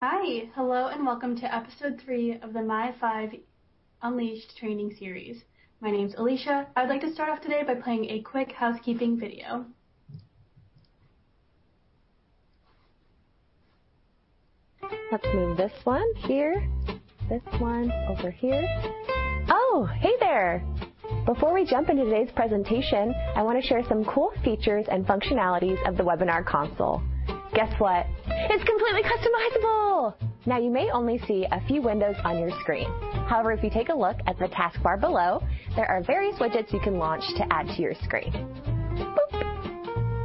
Hi. Hello, and welcome to episode 3 of the Mi-V Unleashed Training Series. My name's Alicia. I'd like to start off today by playing a quick housekeeping video. Let's move this one here, this one over here. Oh, hey there. Before we jump into today's presentation, I want to share some cool features and functionalities of the webinar console. Guess what? It's completely customizable. Now, you may only see a few windows on your screen. However, if you take a look at the taskbar below, there are various widgets you can launch to add to your screen.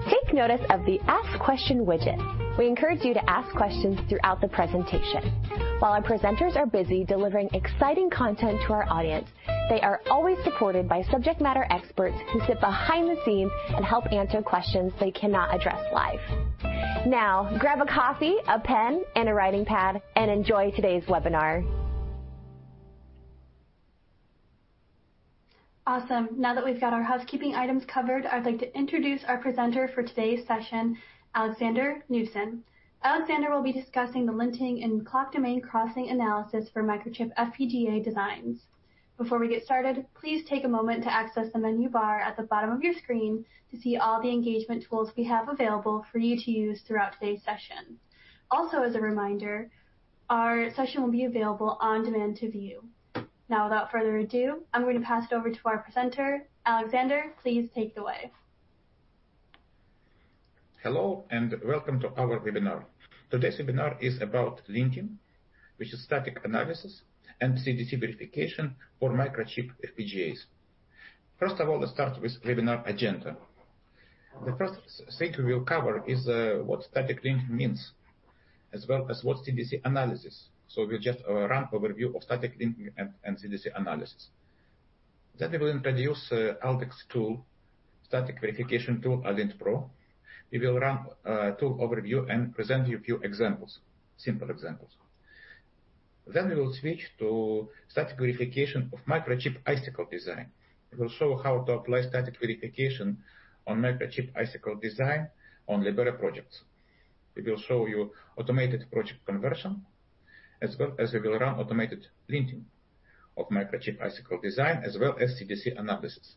Take notice of the Ask Question widget. We encourage you to ask questions throughout the presentation. While our presenters are busy delivering exciting content to our audience, they are always supported by subject matter experts who sit behind the scenes and help answer questions they cannot address live. Now, grab a coffee, a pen, and a writing pad, and enjoy today's webinar. Awesome. Now that we've got our housekeeping items covered, I'd like to introduce our presenter for today's session, Alexander Newsom. Alexander will be discussing the Linting and Clock Domain Crossing analysis for Microchip FPGA designs. Before we get started, please take a moment to access the menu bar at the bottom of your screen to see all the engagement tools we have available for you to use throughout today's session. As a reminder, our session will be available on demand to view. Now, without further ado, I'm going to pass it over to our presenter. Alexander, please take it away. Hello, and welcome to our webinar. Today's webinar is about linting, which is static analysis, and CDC verification for Microchip FPGAs. First of all, let's start with webinar agenda. The first thing we will cover is what static linting means, as well as what's CDC analysis. We'll just run overview of static linting and CDC analysis. We will introduce Aldec's tool, static verification tool, ALINT-PRO. We will run tool overview and present you a few examples, simple examples. We will switch to static verification of Microchip Icicle design. We will show how to apply static verification on Microchip Icicle design on Libero projects. We will show you automated project conversion, as well as we will run automated linting of Microchip Icicle design, as well as CDC analysis.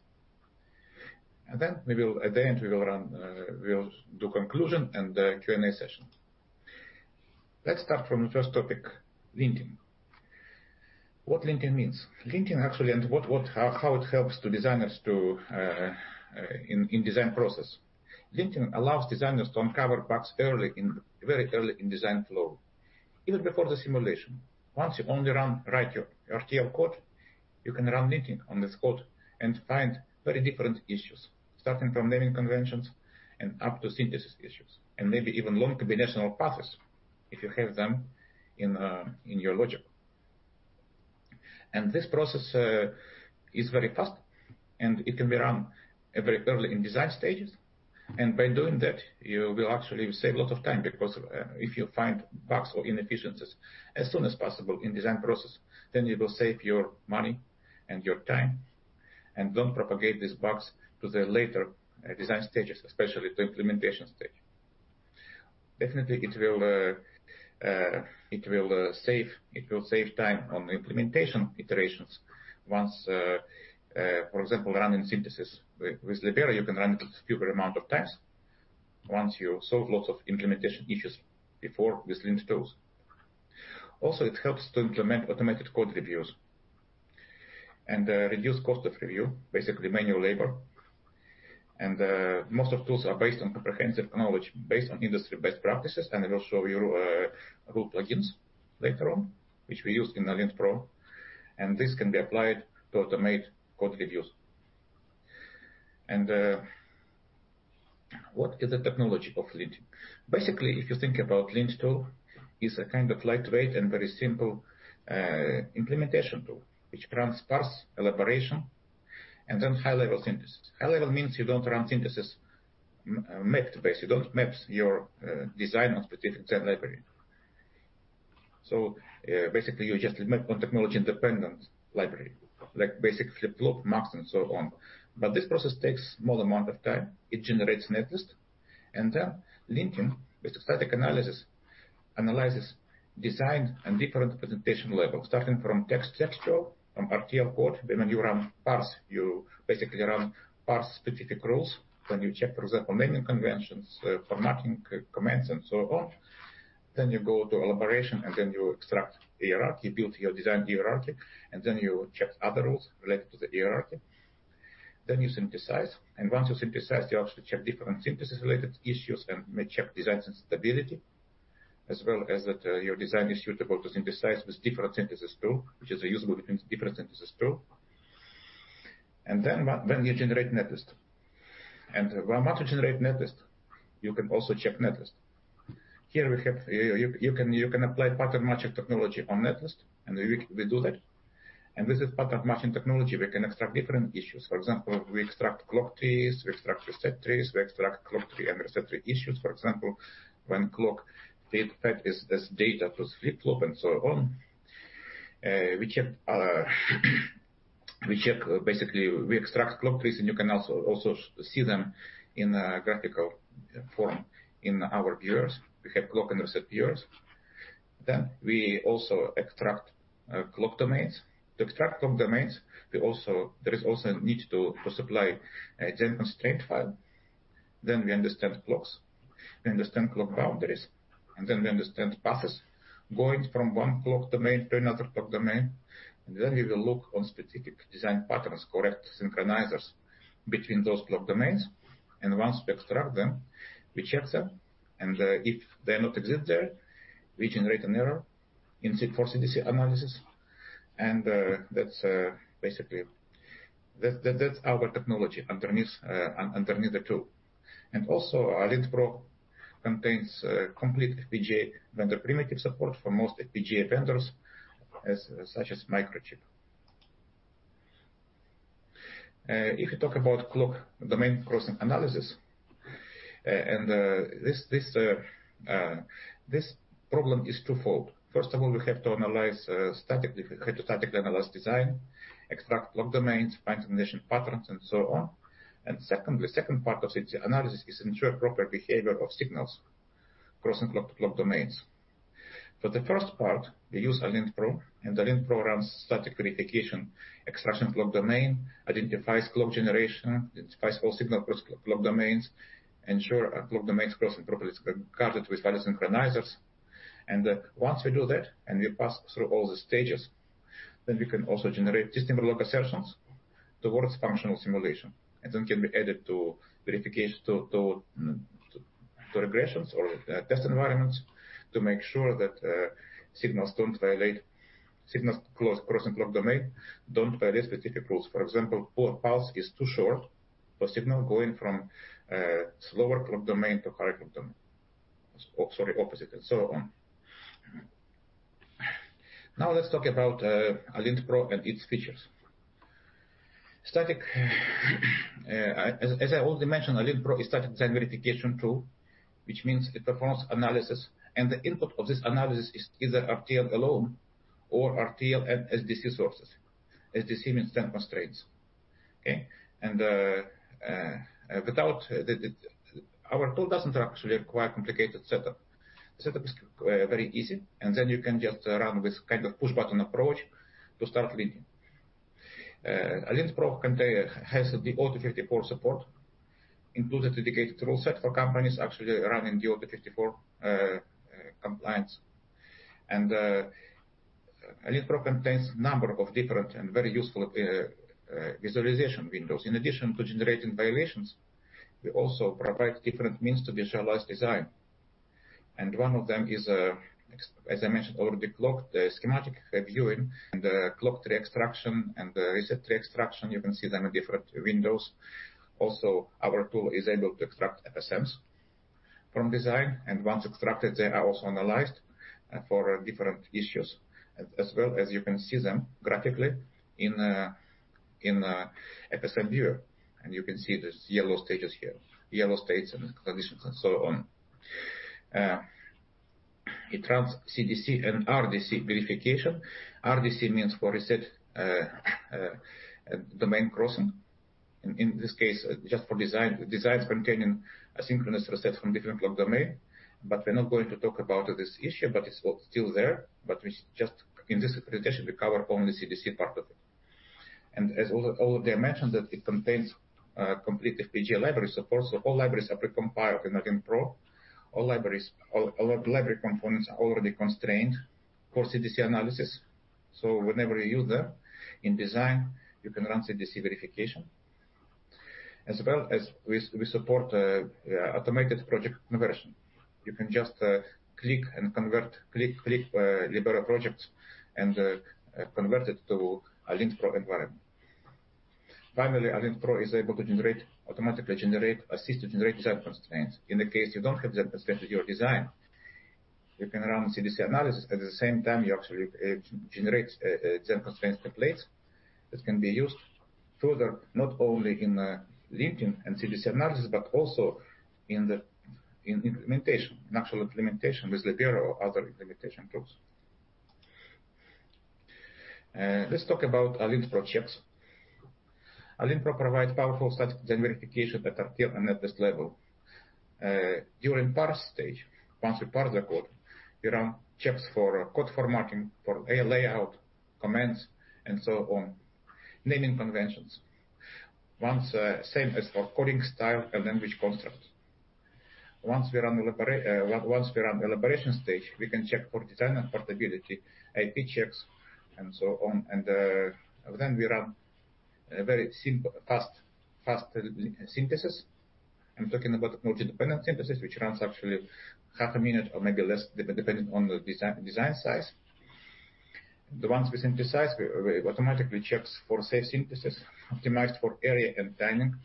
At the end, we will run, we'll do conclusion and a Q&A session. Let's start from the first topic, linting. What linting means. Linting actually, what how it helps to designers to in design process. Linting allows designers to uncover bugs very early in design flow, even before the simulation. Once you only write your RTL code, you can run linting on this code and find very different issues, starting from naming conventions and up to synthesis issues, and maybe even long combinational paths if you have them in your logic. This process is very fast, and it can be run very early in design stages. By doing that, you will actually save a lot of time because if you find bugs or inefficiencies as soon as possible in design process, then you will save your money and your time and don't propagate these bugs to the later design stages, especially to implementation stage. Definitely, it will save time on the implementation iterations once. For example, running synthesis with Libero, you can run it fewer amount of times once you solve lots of implementation issues before with lint tools. It helps to implement automated code reviews and reduce cost of review, basically manual labor. Most of tools are based on comprehensive knowledge based on industry best practices, and it will show you, root plugins later on, which we use in ALINT-PRO, and this can be applied to automate code reviews. What is the technology of linting? Basically, if you think about lint tool, is a lightweight and very simple, implementation tool which runs parse, elaboration, and then high-level synthesis. High-level means you don't run synthesis map based. You don't maps your, design on specific cell library. Basically, you just map on technology independent library, like basic flip-flop, MUX, and so on. This process takes small amount of time. It generates netlist. Then linting with static analysis analyzes design and different presentation levels, starting from text structural, from RTL code. When you run parse, you basically run parse specific rules. You check, for example, naming conventions, formatting, commands, and so on. You go to elaboration, you extract the hierarchy, build your design hierarchy, you check other rules related to the hierarchy. You synthesize, once you synthesize, you actually check different synthesis-related issues and may check design sensitivity as well as that, your design is suitable to synthesize with different synthesis tool, which is usable between different synthesis tool. When you generate netlist. When about to generate netlist, you can also check netlist. Here we have... You can apply pattern matching technology on netlist, and we do that. With this pattern matching technology, we can extract different issues. For example, we extract clock trees, we extract reset trees, we extract clock tree and reset tree issues. For example, when clock feed path is as data to flip-flop and so on. We check, basically, we extract clock trees, and you can also see them in a graphical form in our viewers. We have clock and reset viewers. Then we also extract clock domains. To extract clock domains, there is also a need to supply a general constraint file. Then we understand clocks. We understand clock boundaries, and then we understand paths going from one clock domain to another clock domain. Then we will look on specific design patterns, correct synchronizers between those clock domains. Once we extract them, we check them, and if they're not exist there, we generate an error in sync for CDC analysis. That's basically... That's our technology underneath the tool. ALINT-PRO contains complete FPGA vendor primitive support for most FPGA vendors, such as Microchip. If you talk about clock domain crossing analysis, this problem is twofold. First of all, we have to statically analyze design, extract clock domains, find combination patterns, and so on. Secondly, second part of CDC analysis is ensure proper behavior of signals crossing clock domains. For the first part, we use ALINT-PRO, ALINT-PRO runs static verification, extraction clock domain, identifies clock generation, identifies all signal cross clock domains, ensure clock domains crossing properly guarded with value synchronizers. Once we do that, we pass through all the stages, we can also generate SystemVerilog assertions towards functional simulation. Then can be added to verification, to regressions or test environments to make sure that signals crossing clock domain don't violate specific rules. For example, poor pulse is too short for signal going from slower clock domain to higher clock domain. Sorry, opposite, and so on. Let's talk about ALINT-PRO and its features. Static, as I already mentioned, ALINT-PRO is static design verification tool, which means it performs analysis, and the input of this analysis is either RTL alone or RTL and SDC sources. SDC means standard constraints. Okay. Our tool doesn't actually require complicated setup. Setup is very easy, then you can just run with push-button approach to start linting. ALINT-PRO has the DO-254 support, includes a dedicated toolset for companies actually running the DO-254 compliance. ALINT-PRO contains number of different and very useful visualization windows. In addition to generating violations, we also provide different means to visualize design. One of them is, as I mentioned already, clock schematic viewing and clock tree extraction and the reset tree extraction. You can see them in different windows. Also, our tool is able to extract FSMs from design, and once extracted, they are also analyzed for different issues, as well as you can see them graphically in FSM viewer. You can see these yellow stages here, yellow states and conditions and so on. It runs CDC and RDC verification. RDC means for reset domain crossing. In this case, just for designs containing asynchronous reset from different clock domain. We're not going to talk about this issue, but it's still there. We just, in this presentation, we cover only CDC part of it. As already I mentioned that it contains complete FPGA library support. All libraries are precompiled in ALINT-PRO. All library components are already constrained for CDC analysis. Whenever you use them in design, you can run CDC verification. As well as we support automated project conversion. You can just click and convert, click Libero project and convert it to ALINT-PRO environment. Finally, ALINT-PRO is able to automatically generate, assist to generate design constraints. In the case you don't have that constraint with your design, you can run CDC analysis. At the same time, you actually generate design constraint templates that can be used further, not only in linting and CDC analysis, but also in the implementation, natural implementation with Libero or other implementation tools. Let's talk about ALINT-PRO checks. ALINT-PRO provides powerful static design verification at RTL and FDS level. During parse stage, once we parse the code, we run checks for code formatting, for layout, comments, and so on. Naming conventions. Once, same as for coding style and language constructs. Once we run elaboration stage, we can check for design and portability, IP checks, and so on. Then we run a very simple, fast synthesis. I'm talking about technology-independent synthesis, which runs actually half a minute or maybe less, depending on the design size. The ones we synthesize, we automatically checks for safe synthesis, optimized for area and timing.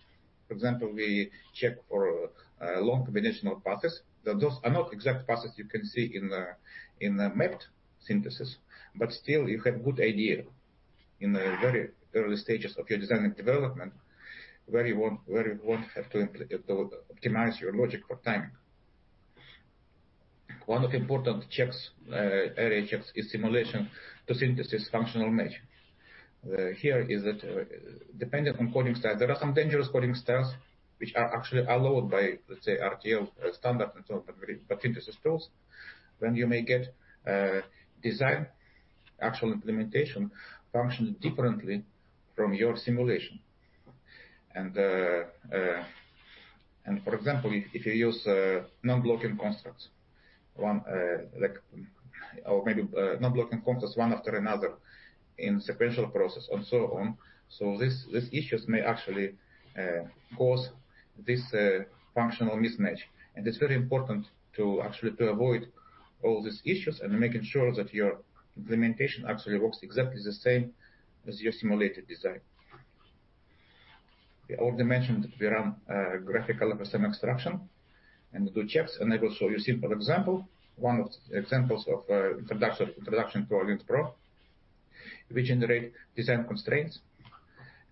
For example, we check for long combinational paths. Those are not exact paths you can see in a mapped synthesis, but still you have good idea in the very early stages of your design and development where you want to optimize your logic for timing. One of important checks, area checks is simulation to synthesis functional match. Here is that, dependent on coding style, there are some dangerous coding styles which are actually allowed by, let's say, RTL standards and so, but synthesis tools, when you may get design, actual implementation function differently from your simulation. For example, if you use non-blocking constructs, one like... Maybe non-blocking constructs one after another in sequential process and so on. These issues may actually cause this functional mismatch, and it's very important to actually avoid all these issues and making sure that your implementation actually works exactly the same as your simulated design. We already mentioned that we run graphical FSM extraction and do checks, and I will show you simple example. One of examples of introduction to ALINT-PRO. We generate design constraints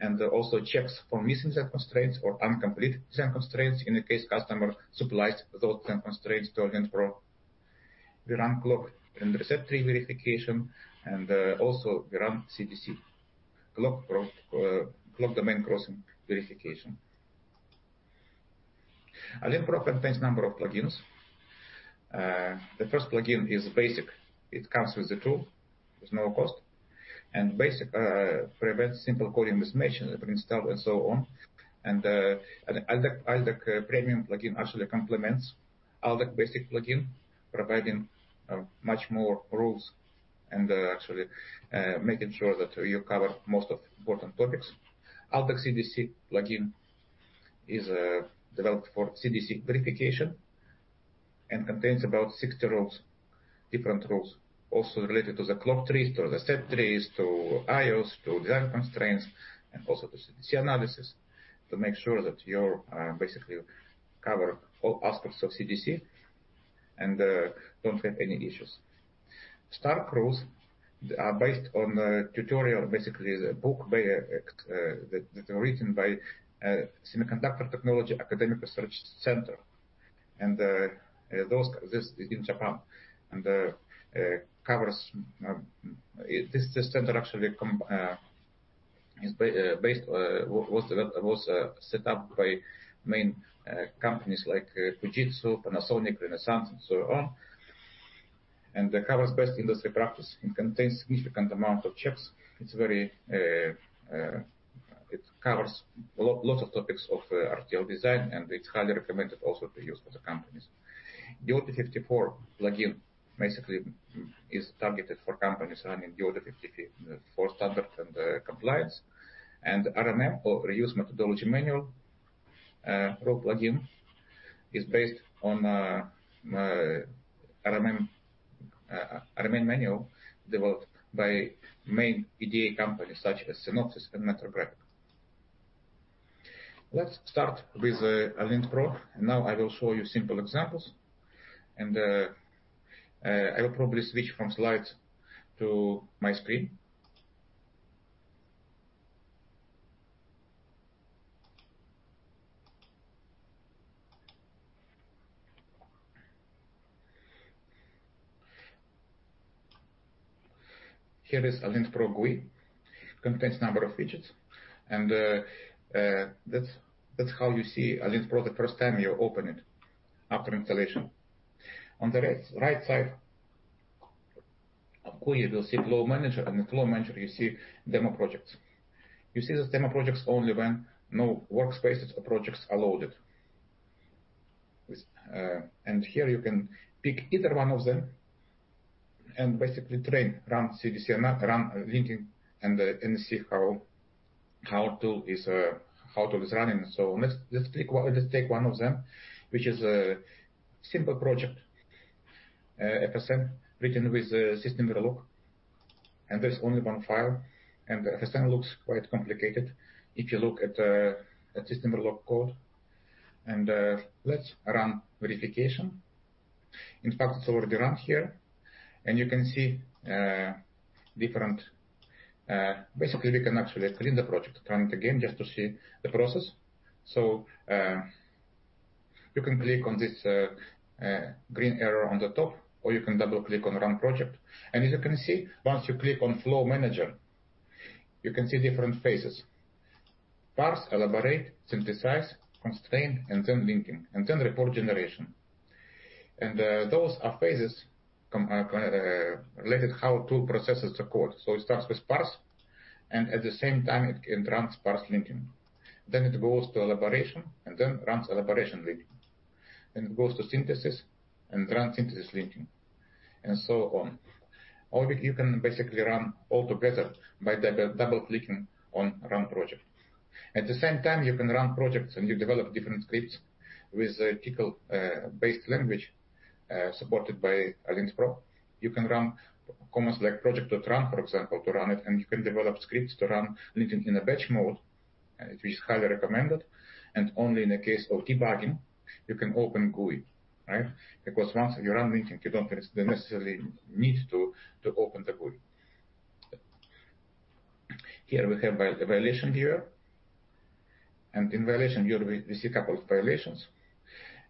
and also checks for missing design constraints or uncompleted design constraints in the case customer supplies those constraints to ALINT-PRO. We run clock and reset tree verification, and also we run CDC, clock domain crossing verification. ALINT-PRO contains number of plugins. The first plugin is basic. It comes with the tool. There's no cost. Basic prevents simple coding mismatch, bring style and so on. Aldec premium plugin actually complements Aldec basic plugin, providing much more rules and actually making sure that you cover most of important topics. Aldec CDC plugin is developed for CDC verification and contains about 60 rules, different rules also related to the clock trees, to the set trees, to IOs, to design constraints, and also to CDC analysis to make sure that you're basically cover all aspects of CDC and don't have any issues. STARC rules are based on a tutorial, basically the book that are written by Semiconductor Technology Academic Research Center. This is in Japan. This center actually is based, was set up by main companies like Fujitsu, Panasonic, Renesas, and so on, and covers best industry practice and contains significant amount of checks. It's very, it covers lots of topics of RTL design, and it's highly recommended also to use for the companies. DO-254 plugin basically is targeted for companies running DO-254 standard and compliance. RMM or Reuse Methodology Manual probe plugin is based on RMM manual developed by main EDA companies such as Synopsys and Mentor Graphics. Let's start with ALINT-PRO. Now I will show you simple examples, I will probably switch from slides to my screen. Here is ALINT-PRO GUI. Contains number of features. That's how you see ALINT-PRO the first time you open it after installation. On the right side of GUI, you will see Flow Manager. Under Flow Manager, you see Demo Projects. You see these Demo Projects only when no workspaces or projects are loaded. With... Here you can pick either one of them and basically train, run CDC run linting and see how tool is running. Let's click one-- let's take one of them, which is a simple project, FSM written with SystemVerilog, and there's only one file, and FSM looks quite complicated if you look at SystemVerilog code. Let's run verification. In fact, it's already run here. You can see different... Basically we can actually clean the project, run it again just to see the process. You can click on this green arrow on the top, or you can double-click on Run Project. As you can see, once you click on Flow Manager, you can see different phases: parse, elaborate, synthesize, constrain, and then linking, and then report generation. Those are phases related how tool processes the code. It starts with parse, and at the same time, it runs parse linking. It goes to elaboration and then runs elaboration linking. It goes to synthesis and runs synthesis linking, and so on. You can basically run all together by double-clicking on Run Project. At the same time, you can run projects, and you develop different scripts with a Tcl, based language, supported by ALINT-PRO. You can run commands like project.run, for example, to run it, and you can develop scripts to run linting in a batch mode, which is highly recommended. Only in the case of debugging, you can open GUI, right? Because once you run linting, you don't necessarily need to open the GUI. Here we have violation viewer. In violation viewer, we see a couple of violations.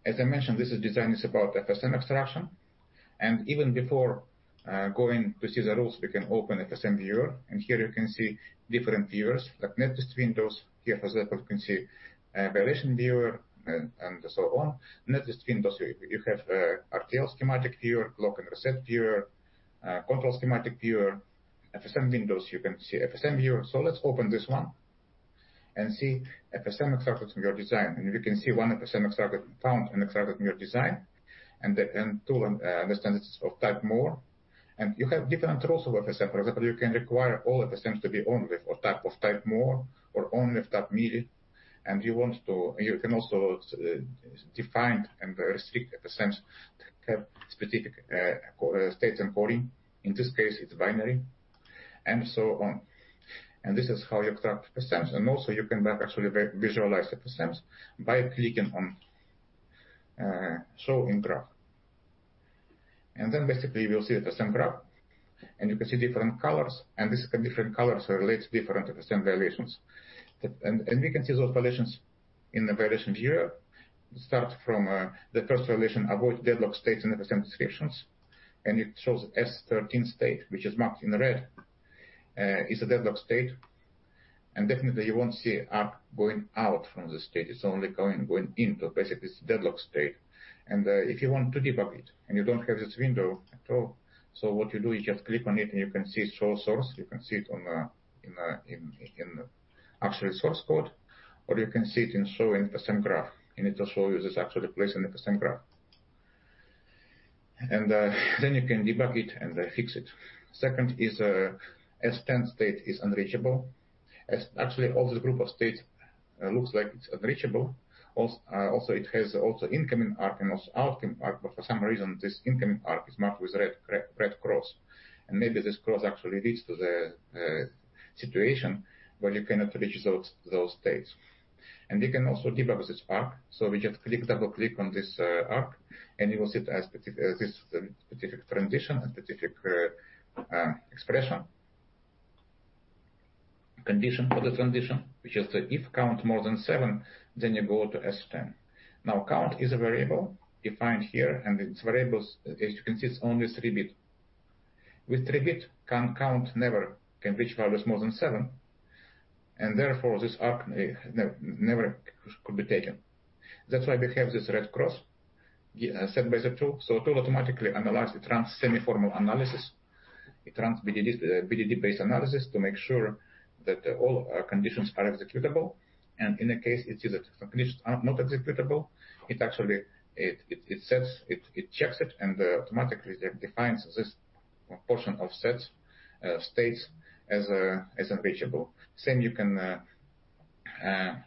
As I mentioned, this design is about FSM extraction. Even before going to see the rules, we can open FSM viewer. Here you can see different viewers like netlist windows. Here, for example, you can see violation viewer and so on. Netlist windows, you have RTL schematic viewer, clock and reset viewer, control schematic viewer. FSM windows, you can see FSM viewer. Let's open this one and see FSM extractions in your design. We can see 1 FSM found and extracted in your design. The tool understands it's of type Moore. You have different rules of FSM. For example, you can require all FSMs to be owned with type Moore or owned with type Mealy. You can also define and restrict FSMs to have specific states encoding. In this case, it's binary, and so on. This is how you extract FSMs. Also you can actually visualize FSMs by clicking on show in graph. Basically you'll see FSM graph, and you can see different colors, and these different colors relates different FSM violations. We can see those violations in the violation viewer. Start from the first violation, avoid deadlock states in FSM descriptions. It shows S13 state, which is marked in the red, is a deadlock state. Definitely you won't see arc going out from this state. It's only going in. Basically it's deadlock state. If you want to debug it, you don't have this window at all, what you do is just click on it, you can see show source. You can see it on in the actual source code, or you can see it in show in FSM graph. It'll show you this actual place in FSM graph. Then you can debug it and fix it. Second is S10 state is unreachable. Actually, all this group of state looks like it's unreachable. Also it has also incoming arc and also outgoing arc, for some reason, this incoming arc is marked with red cross. Maybe this cross actually leads to the situation where you cannot reach those states. We can also debug this arc. We just click, double-click on this arc, and you will see it as this specific transition and specific expression. Condition for the transition, which is the if count more than 7, then you go to S 10. Count is a variable defined here, and it's variables consists only 3 bit. With 3 bit, count never can reach values more than 7, therefore, this arc never could be taken. That's why we have this red cross set by the tool. Tool automatically analyze the semi-formal analysis. It runs BDD-based analysis to make sure that all conditions are executable. In a case it sees that some conditions are not executable, it actually checks it and automatically defines this portion of sets, states as unreachable. Same you can,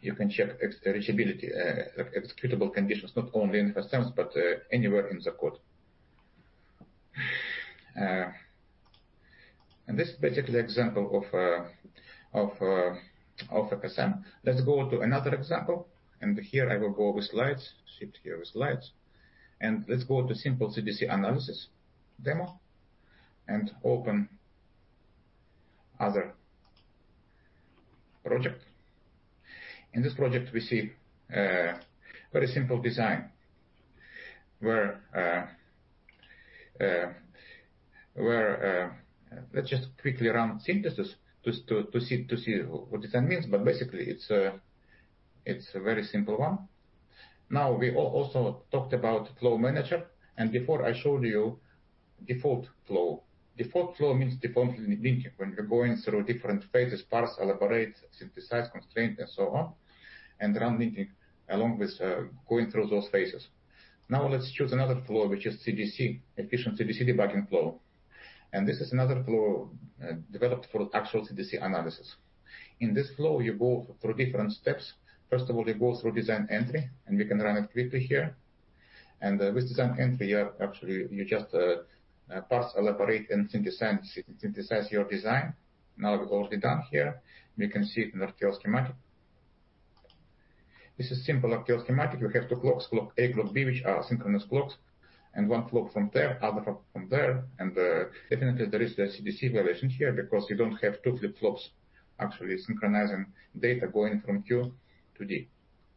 you can check ex-reachability, executable conditions, not only in FSMs, but anywhere in the code. This particular example of FSM. Let's go to another example. Here I will go with lights. Shift here with lights. Let's go to simple CDC analysis demo and open other project. In this project, we see very simple design where, let's just quickly run synthesis to see what design means. Basically, it's a very simple one. Now, we also talked about flow manager. Before I showed you default flow. Default flow means default linking, when you're going through different phases, parse, elaborate, synthesize, constraint, and so on, and run linking along with going through those phases. Now let's choose another flow, which is CDC, efficient CDC debugging flow. This is another flow developed for actual CDC analysis. In this flow, you go through different steps. First of all, you go through design entry. We can run it quickly here. With design entry, actually, you just parse, elaborate, and synthesize your design. Now we've already done here. We can see it in RTL schematic. This is simple RTL schematic. We have two clocks, clock A, clock B, which are synchronous clocks, and one clock from there, other from there. Definitely there is a CDC violation here because you don't have 2 flip flops actually synchronizing data going from Q to D.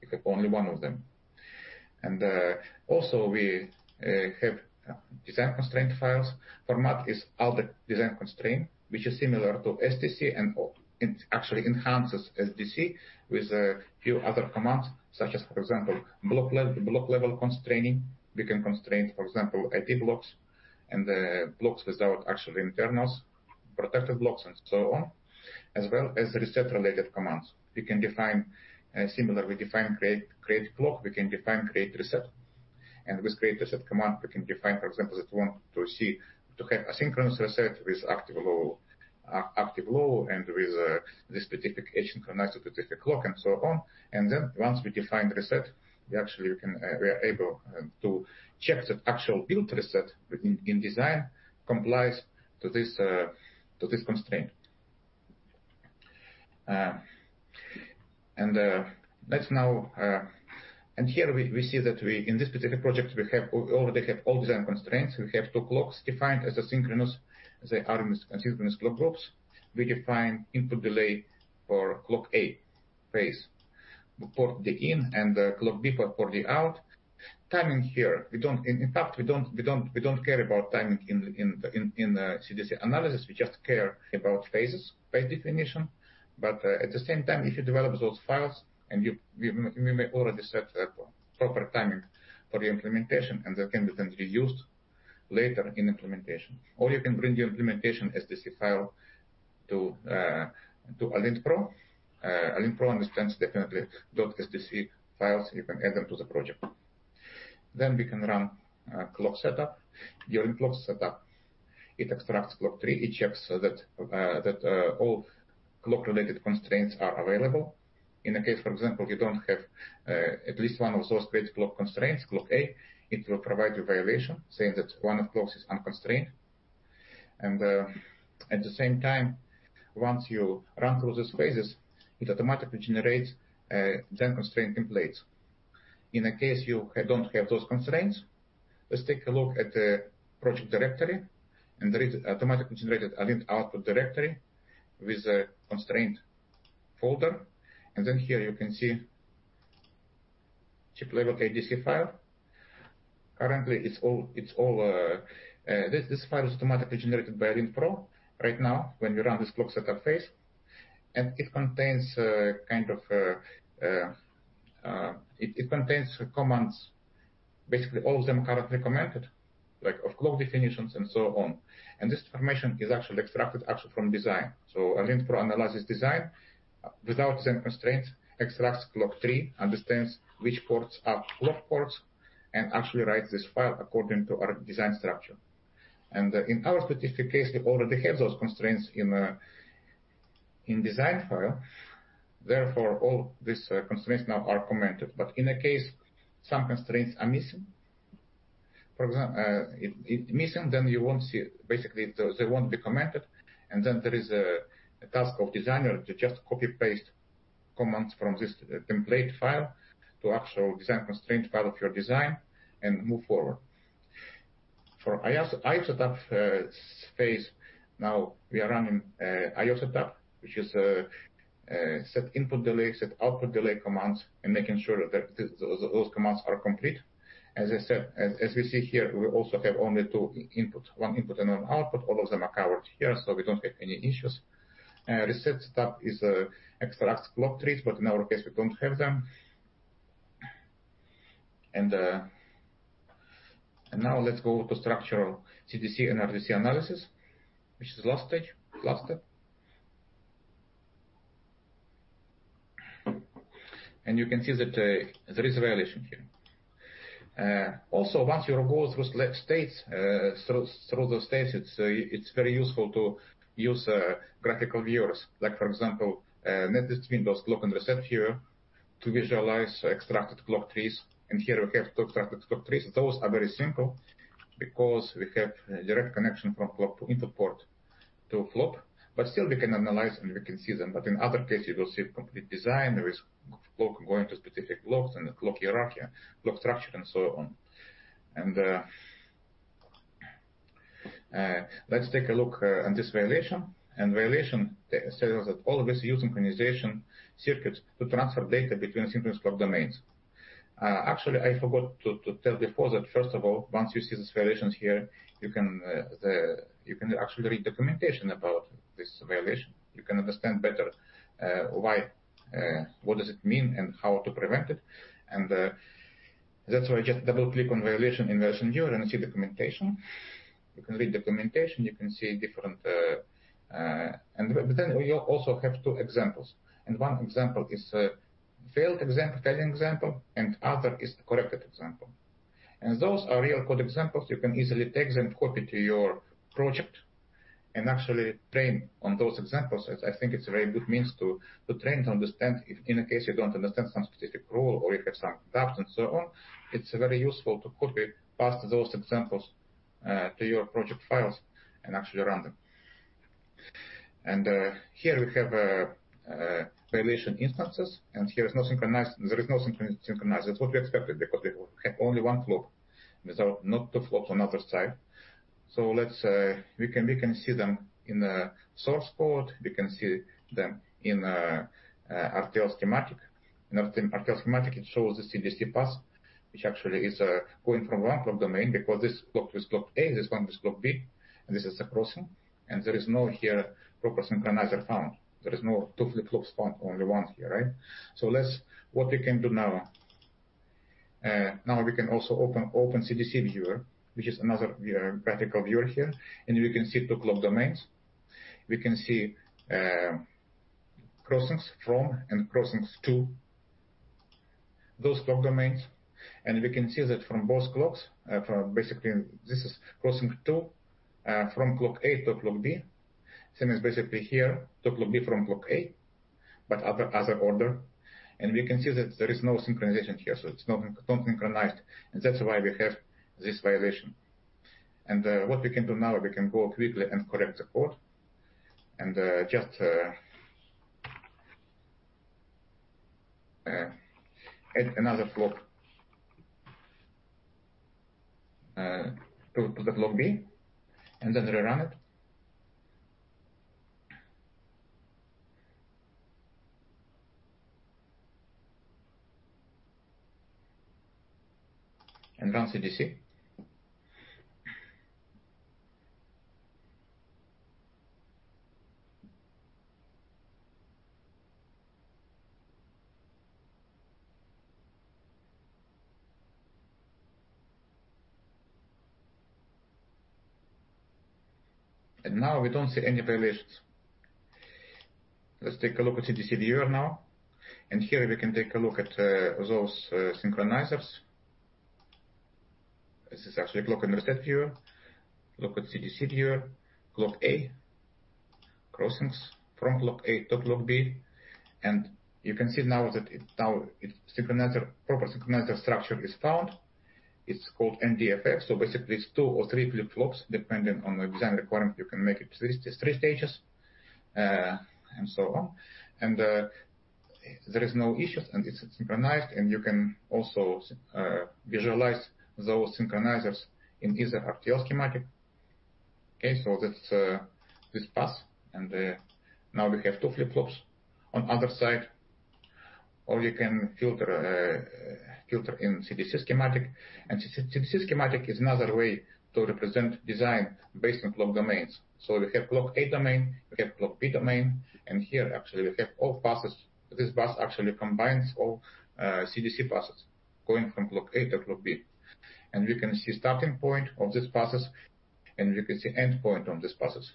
You have only 1 of them. Also we have design constraint files. Format is Aldec Design Constraint, which is similar to SDC and, or it actually enhances SDC with a few other commands, such as, for example, block level constraining. We can constrain, for example, IP blocks and blocks without actual internals, protected blocks, and so on, as well as reset related commands. We can define similar, we define create clock. We can define create reset. With create reset command, we can define, for example, that we want to see, to have a synchronous reset with active low, active low, and with this specific edge synchronizer to fit the clock and so on. Then once we define reset, we actually can, we are able to check that actual build reset within design complies to this, to this constraint. Let's now. Here we see that we, in this specific project, we already have all design constraints. We have two clocks defined as asynchronous. They are asynchronous clock groups. We define input delay for clock A phase. We port the in and the clock B port for the out. Timing here, in fact, we don't care about timing in the CDC analysis. We just care about phases by definition. At the same time, if you develop those files and we may already set the proper timing for the implementation, and that can be then reused later in implementation. You can bring the implementation SDC file to ALINT-PRO. ALINT-PRO understands definitely .SDC files. You can add them to the project. We can run clock setup. During clock setup, it extracts clock tree. It checks so that all clock-related constraints are available. In a case, for example, you don't have at least one of those Gray-coded clock constraints, clock A, it will provide you violation, saying that one of clocks is unconstrained. At the same time, once you run through these phases, it automatically generates design constraint templates. In the case you don't have those constraints, let's take a look at the project directory, there is automatically generated ALINT-PRO output directory with a constraint folder. Here you can see chip-level ADC file. Currently, it's all. This file is automatically generated by ALINT-PRO right now when we run this clock setup phase. It contains commands. Basically, all of them currently commented, like of clock definitions and so on. This information is actually extracted actually from design. ALINT-PRO analyzes design without design constraints, extracts clock tree, understands which ports are clock ports, actually writes this file according to our design structure. In our specific case, we already have those constraints in design file. Therefore, all these constraints now are commented. In the case some constraints are missing, it missing, you won't see... Basically, they won't be commented. There is a task of designer to just copy-paste commands from this template file to actual design constraint file of your design and move forward. For Icicle setup phase, now we are running IO setup, which is set input delay, set output delay commands, and making sure that those commands are complete. As I said, as we see here, we also have only two input, one input and one output. All of them are covered here, so we don't have any issues. Reset setup extracts clock trees, but in our case, we don't have them. Now let's go to structural CDC and RDC analysis, which is last stage, last step. You can see that there is a violation here. Also once you go through states, through those states, it's very useful to use graphical viewers. Like for example, netlist between those clock and reset here to visualize extracted clock trees. Here we have two extracted clock trees. Those are very simple because we have a direct connection from clock to input port to a flop. Still we can analyze, and we can see them. In other case, you will see complete design. There is clock going to specific flops and clock hierarchy, clock structure and so on. Let's take a look at this violation. Violation says that always use synchronization circuits to transfer data between synchronous clock domains. Actually, I forgot to tell before that, first of all, once you see these violations here, you can... You can actually read documentation about this violation. You can understand better why what does it mean and how to prevent it. That's why just double-click on violation in the LCD and see documentation. You can read documentation, you can see different. We also have 2 examples. One example is failing example, and other is corrected example. Those are real code examples. You can easily take them, copy to your project, and actually train on those examples. As I think it's a very good means to train, to understand if in a case you don't understand some specific rule or you have some doubts and so on, it's very useful to copy-paste those examples to your project files and actually run them. Here we have violation instances, here is no synchronizer. It's what we expected because we have only one clock. There's not two clocks on other side. Let's. We can see them in the source port. We can see them in RTL schematic. In RTL schematic, it shows the CDC path, which actually is going from one clock domain because this clock is clock A, this one is clock B, and this is a crossing. There is no here proper synchronizer found. There is no two flip flops found, only one here, right? What we can do now, we can also open CDC viewer, which is another viewer, graphical viewer here, and we can see two clock domains. We can see crossings from and crossings to those clock domains. We can see that from both clocks, from basically, this is crossing to, from clock A to clock B. Same as basically here, to clock B from clock A, but other order. We can see that there is no synchronization here, so it's not synchronized. That's why we have this violation. What we can do now, we can go quickly and correct the code. Just add another clock to the clock B, and then rerun it. Run CDC. Now we don't see any violations. Let's take a look at CDC viewer now. Here we can take a look at those synchronizers. This is actually clock and reset viewer. Look at CDC viewer, clock A, crossings from clock A to clock B. You can see now that now it's proper synchronizer structure is found. It's called NDFF. Basically it's two or three flip flops, depending on the design requirement, you can make it three stages, and so on. There is no issues, and it's synchronized, and you can also visualize those synchronizers in either RTL schematic. That's this pass. Now we have two flip flops on other side. You can filter in CDC schematic. CDC schematic is another way to represent design based on clock domains. We have clock A domain, we have clock B domain, and here actually we have all passes. This bus actually combines all CDC passes, going from clock A to clock B. We can see starting point of these passes, and we can see end point on these passes.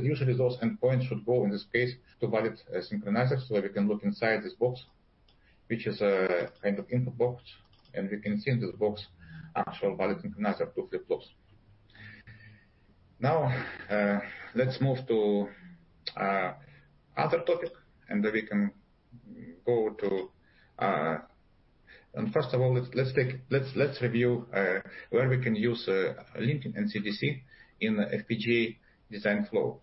Usually those end points should go in this case to valid synchronizers, so that we can look inside this box, which is a input box, and we can see in this box actual valid synchronizer, two flip flops. Let's move to other topic, and then we can go to. First of all, let's take, let's review where we can use linting and CDC in the FPGA design flow.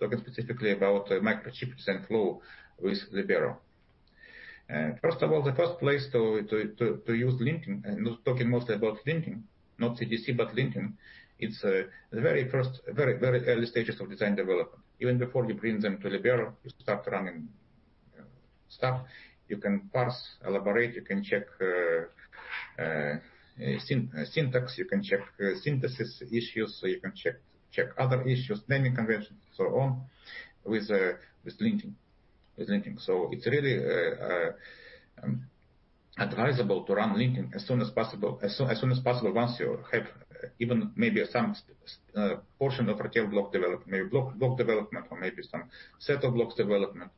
Talking specifically about Microchip design flow with Libero. First of all, the first place to use linting, and talking mostly about linting, not CDC, but linting, it's the very first, very early stages of design development. Even before you bring them to Libero, you start running stuff. You can parse, elaborate, you can check syntax, you can check synthesis issues, so you can check other issues, naming conventions, so on, with linking. It's really advisable to run linking as soon as possible, as soon as possible once you have even maybe some portion of RTL block development, maybe block development or maybe some set of blocks development.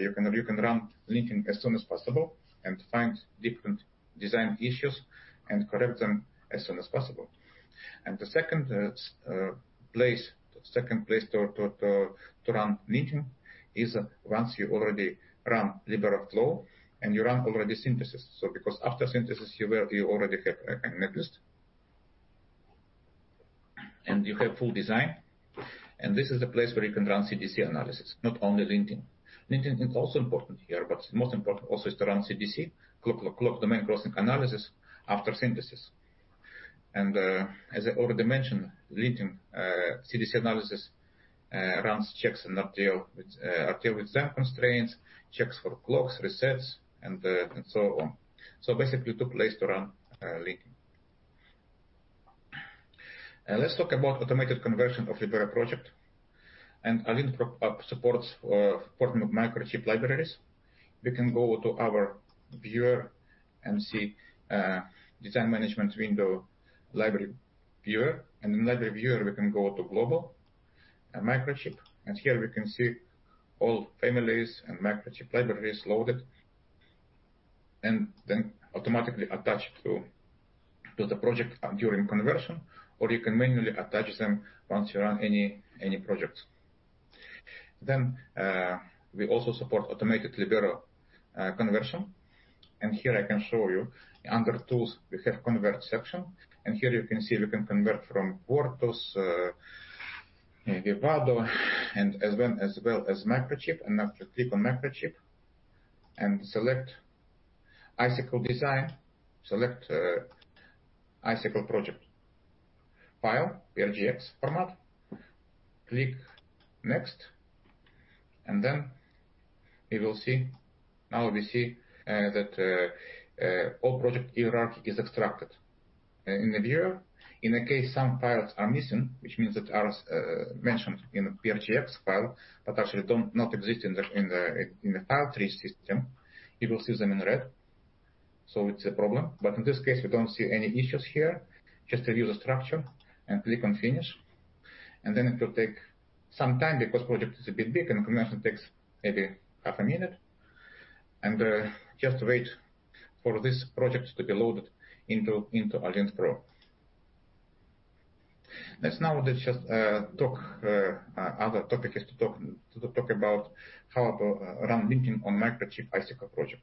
You can run linking as soon as possible and find different design issues and correct them as soon as possible. The second place to run linking is once you already run Libero flow and you run already synthesis. Because after synthesis, you already have a netlist. You have full design. This is the place where you can run CDC analysis, not only linting. Linting is also important here, but most important also is to run CDC, clock domain crossing analysis after synthesis. As I already mentioned, linting, CDC analysis, runs checks in RTL with time constraints, checks for clocks, resets, and so on. Basically two place to run linting. Let's talk about automated conversion of Libero project. [Orpheus] supports porting of Microchip libraries. We can go to our viewer and see design management window library viewer. In library viewer, we can go to global, and Microchip, and here we can see all families and Microchip libraries loaded, and then automatically attached to the project during conversion, or you can manually attach them once you run any project. We also support automated Libero conversion. Here I can show you, under tools, we have convert section. Here you can see we can convert from Quartus, maybe Pado, as well as Microchip. After, click on Microchip and select Icicle design, select Icicle project file, prjx format. Click Next. Now we see that all project hierarchy is extracted in the viewer. In the case some files are missing, which means that are mentioned in the .prjx file, but actually don't exist in the file tree system, you will see them in red. It's a problem. In this case, we don't see any issues here. Just review the structure and click on Finish. It will take some time because project is a bit big, and conversion takes maybe half a minute. Just wait for this project to be loaded into ALINT-PRO. Let's just talk, other topic is to talk about how to run linting on Microchip Icicle project.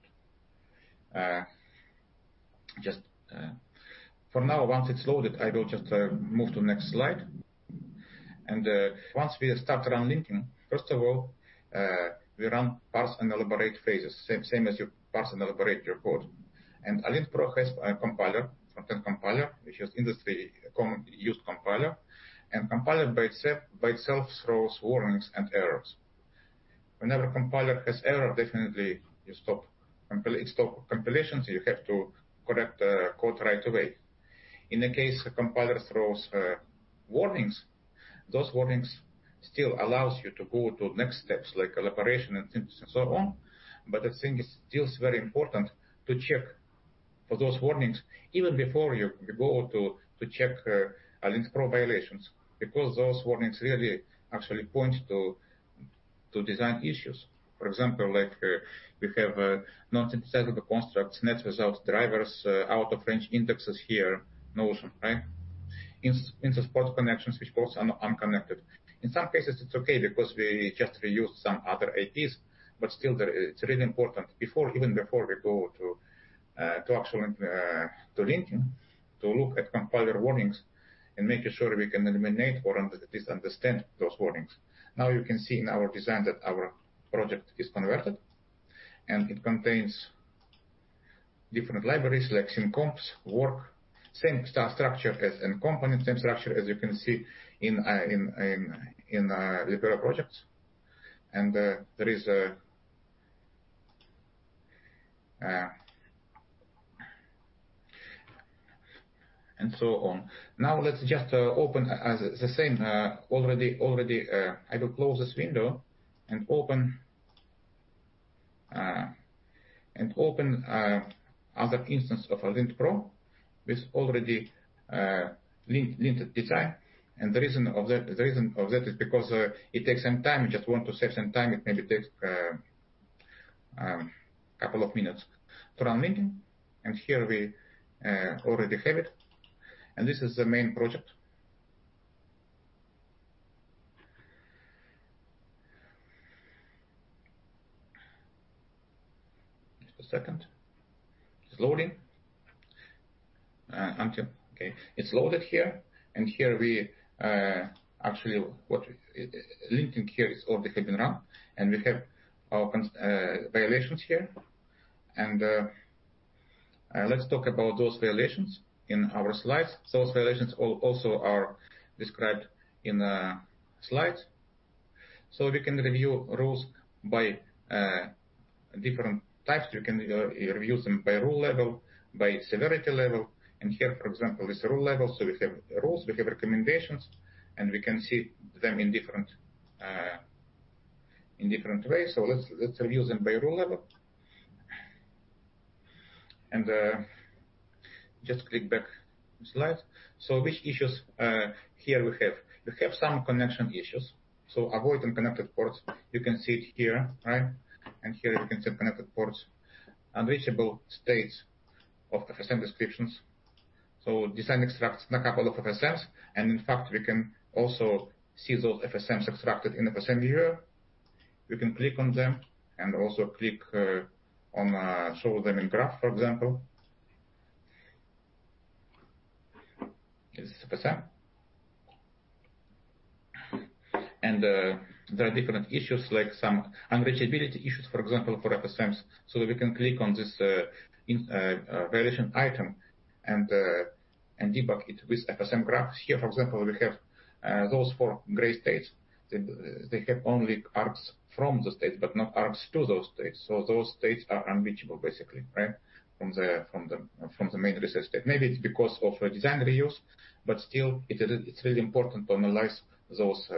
Just for now, once it's loaded, I will just move to next slide. Once we start run linking, first of all, we run parse and elaborate phases, same as you parse and elaborate your code. ALINT-PRO has a compiler, content compiler, which is industry used compiler. Compiler by itself throws warnings and errors. Whenever compiler has error, definitely you stop compilations, you have to correct the code right away. In the case, the compiler throws warnings, those warnings still allows you to go to next steps like elaboration and synthesis, and so on. I think it's still is very important to check for those warnings even before you go to check ALINT-PRO violations, because those warnings really actually point to design issues. For example, like, we have not synthesizable constructs, net results, drivers, out of range indexes here, notion, right? In the spot connections which ports are unconnected. In some cases, it's okay because we just reuse some other IPs, but still there, it's really important before, even before we go to actual to linking, to look at compiler warnings and making sure we can eliminate or at least understand those warnings. You can see in our design that our project is converted, and it contains different libraries like syncomps, work, same star structure as in component, same structure as you can see in in in Libero projects. There is a... so on. Let's just open as the same already. I will close this window and open and open other instance of ALINT-PRO with already linted design. The reason of that, the reason of that is because it takes some time. We just want to save some time. It maybe takes a couple of minutes to run linting. Here we already have it. This is the main project. Just a second. It's loading. Until... Okay, it's loaded here. Here we actually, linting here is already have been run, and we have our violations here. Let's talk about those violations in our slides. Those violations also are described in slides. We can review rules by different types. You can review them by rule level, by severity level. Here, for example, is rule level. We have rules, we have recommendations, and we can see them in different, in different ways. Let's review them by rule level. Just click back slide. Which issues here we have? We have some connection issues, so avoid unconnected ports. You can see it here, right? Here you can see unconnected ports. Unreachable states of FSM descriptions. Design extracts not couple of FSMs, and in fact, we can also see those FSMs extracted in FSM viewer. We can click on them and also click on show them in graph, for example. This is FSM. There are different issues like some unreachability issues, for example, for FSMs. We can click on this in violation item and debug it with FSM graphs. Here, for example, we have those 4 gray states. They have only arcs from the states, but not arcs to those states. Those states are unreachable basically, right? From the main reset state. Maybe it's because of a design reuse, but still it's really important to analyze those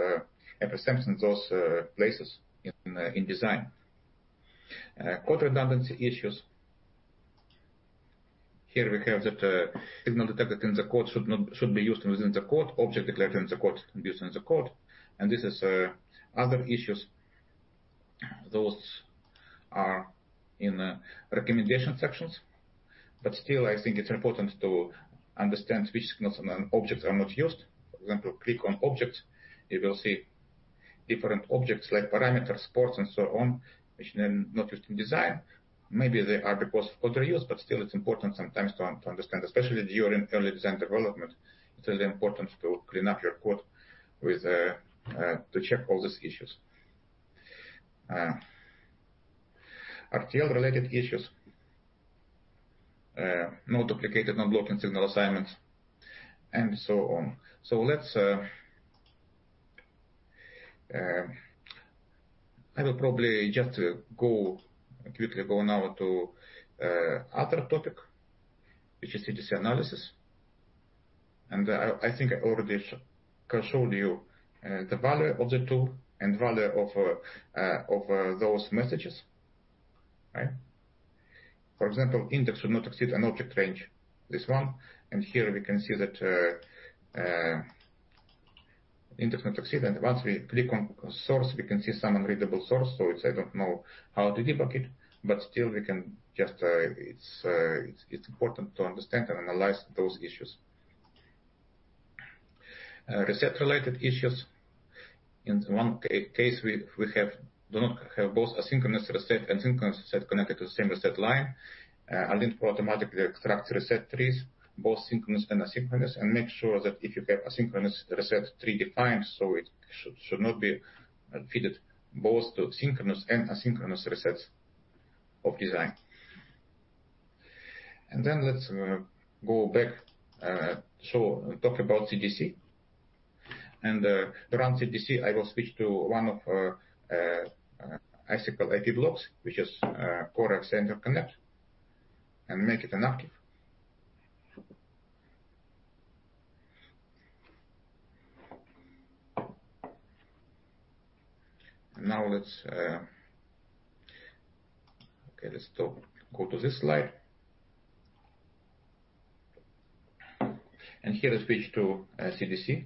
FSMs and those places in design. Code redundancy issues. Here we have that signal detected in the code should be used within the code. Object declared in the code can be used in the code. This is other issues. Those are in recommendation sections. Still, I think it's important to understand which signals and then objects are not used. For example, click on object, you will see different objects like parameters, ports, and so on, which are not used in design. Still it's important sometimes to understand, especially during early design development, it's really important to clean up your code to check all these issues. RTL related issues. Node duplicated, non-blocking signal assignments, and so on. Let's I will probably just go quickly now to other topic, which is CDC analysis. I think I already showed you the value of the tool and value of those messages. Right? For example, index should not exceed an object range. This one, here we can see that index not exceed. Once we click on source, we can see some unreadable source. I don't know how to debug it, but still we can just, it's important to understand and analyze those issues. Reset related issues. In one case, we do not have both asynchronous reset and synchronous reset connected to the same reset line. ALINT-PRO automatically extracts reset trees, both synchronous and asynchronous, and make sure that if you have asynchronous reset tree defined, it should not be fitted both to synchronous and asynchronous resets of design. Let's go back, talk about CDC. Run CDC, I will switch to one of IC-level IP blocks, which is CoreAXI interconnect, and make it inactive. Let's go to this slide. Here we switch to CDC.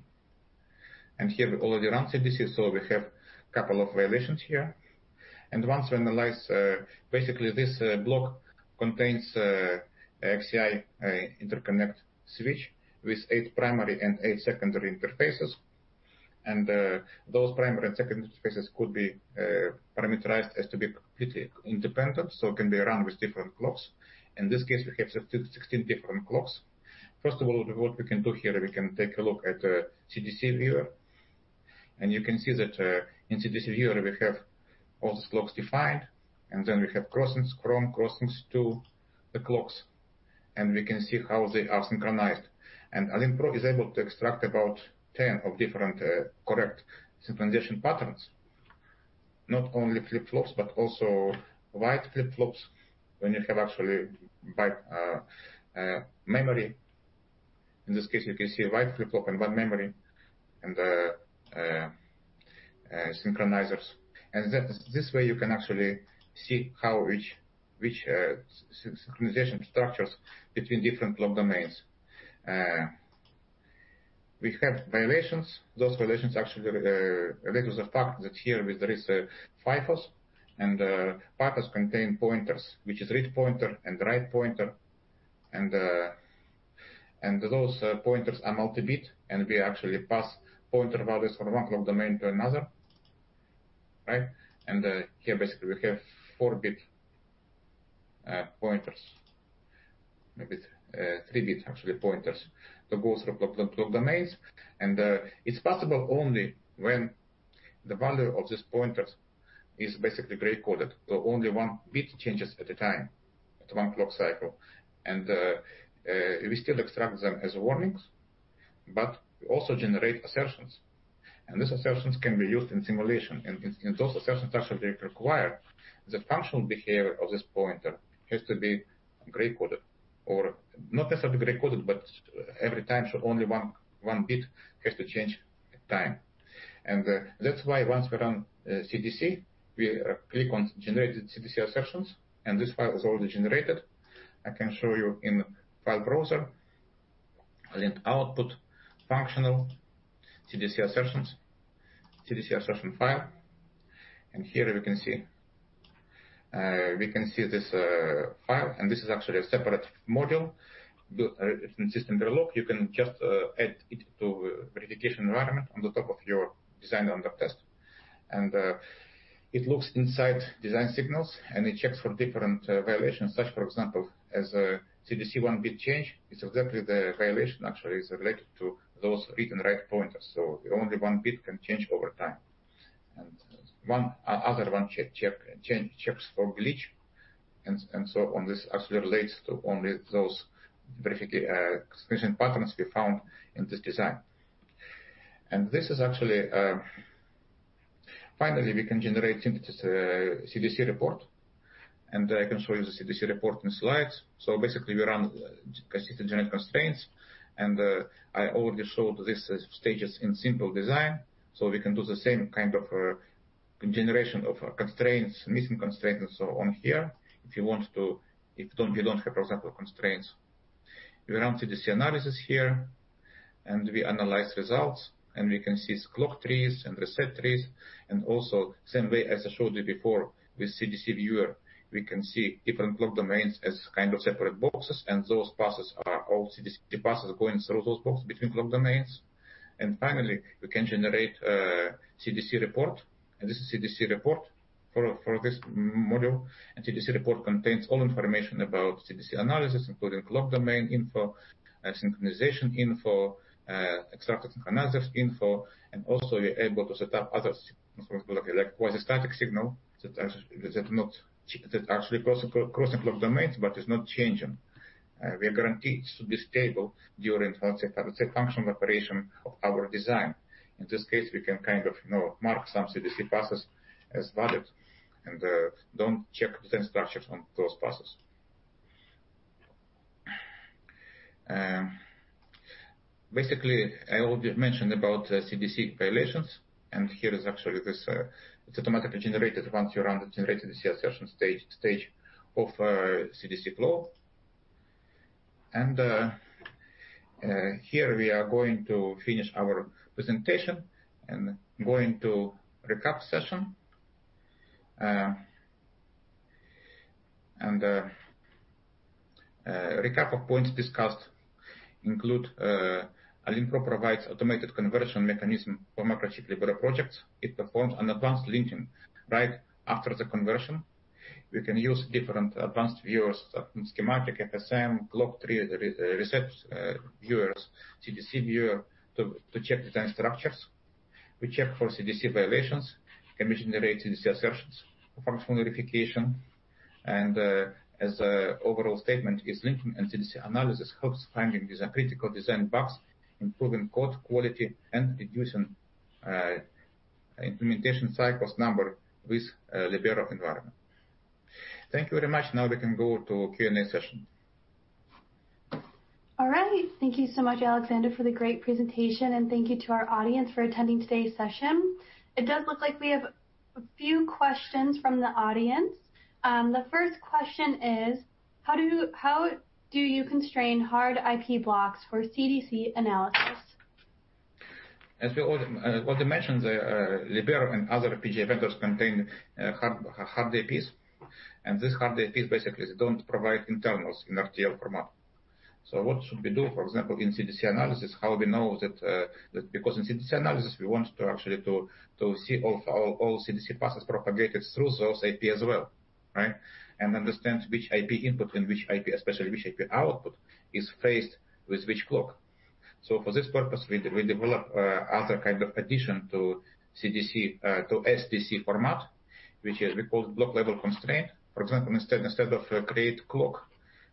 Here we already run CDC, so we have couple of violations here. Once we analyze, basically this block contains AXI interconnect switch with 8 primary and 8 secondary interfaces. Those primary and secondary interfaces could be parameterized as to be completely independent, so can be run with different clocks. In this case, we have 16 different clocks. First of all, what we can do here, we can take a look at CDC viewer. You can see that in CDC viewer, we have all these clocks defined, and then we have crossings to the clocks, and we can see how they are synchronized. ALINT-PRO is able to extract about 10 of different correct synchronization patterns. Not only flip-flops, but also wide flip-flops when you have actually memory. In this case, you can see a wide flip-flop and 1 memory and synchronizers. This way, you can actually see how each, which, synchronization structures between different clock domains. We have violations. Those violations actually relates to the fact that here there is FIFOs. FIFOs contain pointers, which is read pointer and write pointer. Those pointers are multi-bit, and we actually pass pointer values from 1 clock domain to another. Right? Here, basically, we have 4-bit pointers. Maybe, 3-bit actually pointers to go through clock domains. It's possible only when the value of these pointers is basically Gray-coded, so only 1 bit changes at a time, at 1 clock cycle. We still extract them as warnings, but we also generate assertions. These assertions can be used in simulation. Those assertions actually require the functional behavior of this pointer has to be Gray-coded. Not necessarily Gray-coded, but every time should only one bit has to change at time. That's why once we run CDC, we click on Generate CDC Assertions, this file is already generated. I can show you in file browser. ALINT-PRO output, functional, CDC assertions, CDC assertion file. Here we can see, we can see this file, this is actually a separate module. It's in SystemVerilog. You can just add it to verification environment on the top of your design under test. It looks inside design signals, it checks for different violations, such for example, as CDC one bit change. It's exactly the violation actually is related to those read and write pointers. Only one bit can change over time. Other one change, checks for glitch. This actually relates to only those synchronization patterns we found in this design. This is actually. Finally, we can generate synthesis CDC report. I can show you the CDC report in slides. Basically, we run consistent generate constraints, and I already showed these stages in simple design. We can do the same generation of constraints, missing constraints and so on here. If you don't have, for example, constraints. We run CDC analysis here, and we analyze results, and we can see clock trees and reset trees. Same way as I showed you before with CDC viewer, we can see different clock domains as separate boxes, and those passes are all CDC passes going through those boxes between clock domains. Finally, we can generate a CDC report. This is CDC report for this module. CDC report contains all information about CDC analysis, including clock domain info, synchronization info, extracted synchronizers info, we're able to set up other for, like, quasi-static signal that actually crossing clock domains, but is not changing. We are guaranteed to be stable during let's say functional operation of our design. In this case, we can, you know, mark some CDC passes as valid, and don't check design structures on those passes. Basically, I already mentioned about CDC violations. Here is actually this, it's automatically generated once you run the generate CDC assertion stage of CDC flow. Here we are going to finish our presentation and going to recap session. Recap of points discussed include, ALINT-PRO provides automated conversion mechanism for Microchip Libero projects. It performs an advanced linking right after the conversion. We can use different advanced viewers, schematic, FSM, clock tree recept viewers, CDC viewer to check design structures. We check for CDC violations, can generate CDC assertions for functional verification. As a overall statement is linking and CDC analysis helps finding these critical design bugs, improving code quality, and reducing implementation cycles number with Libero environment. Thank you very much. Now we can go to Q&A session. All right. Thank you so much, Alexander, for the great presentation, and thank you to our audience for attending today's session. It does look like we have a few questions from the audience. The first question is: How do you constrain hard IP blocks for CDC analysis? As we already mentioned, the Libero and other FPGA vendors contain hard IPs. These hard IPs basically, they don't provide internals in RTL format. What should we do, for example, in CDC analysis, how we know that because in CDC analysis, we want to actually to see all CDC passes propagated through those IP as well, right? Understand which IP input and which IP, especially which IP output is phased with which clock. For this purpose, we develop other addition to CDC, to SDC format, which is we call block-level constraint. For example, instead of create clock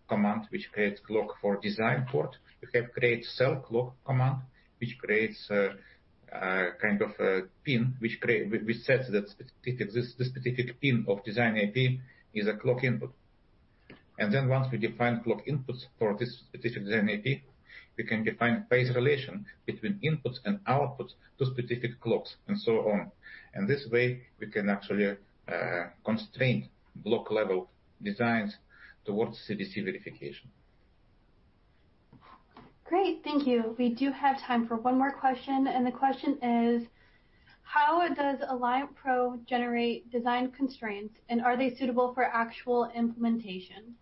command, which creates clock for design port, we have create cell clock command, which creates a pin which create... Which sets that specific this specific pin of design IP is a clock input. Once we define clock inputs for this specific design IP, we can define phase relation between inputs and outputs to specific clocks and so on. This way, we can actually constrain block-level designs towards CDC verification. Great. Thank you. We do have time for one more question, and the question is. How does ALINT-PRO generate design constraints, and are they suitable for actual implementation?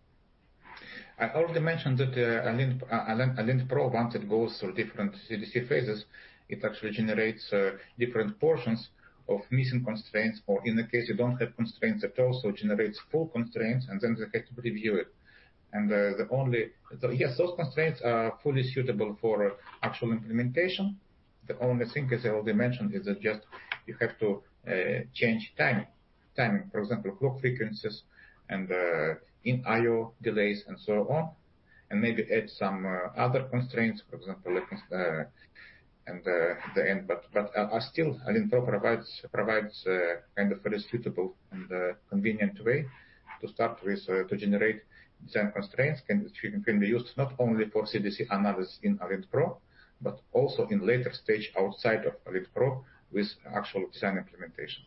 I already mentioned that ALINT-PRO, once it goes through different CDC phases, it actually generates different portions of missing constraints. In the case you don't have constraints at all, it generates full constraints. We have to preview it. Yes, those constraints are fully suitable for actual implementation. The only thing, as I already mentioned, is that just you have to change timing. For example, clock frequencies and in IO delays and so on, and maybe add some other constraints, for example, like, and the input. Still, ALINT-PRO, Provides Very suitable and convenient way to start with to generate design constraints. Can be used not only for CDC analysis in ALINT-PRO but also in later stage outside of ALINT-PRO with actual design implementation.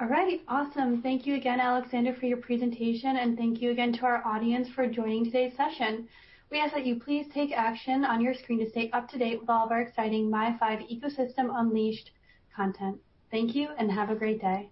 All righty. Awesome. Thank you again, Alexander, for your presentation. Thank you again to our audience for joining today's session. We ask that you please take action on your screen to stay up to date with all of our exciting Mi-V ecosystem Unleashed content. Thank you, and have a great day.